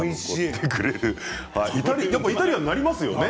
でもイタリアンになりますよね